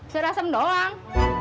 sayur asem doang